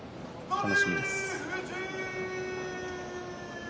楽しみです。